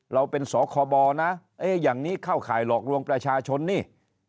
เราเป็นสคบนะอย่างนี้เข้าข่ายหลอกลวงประชาชนนี่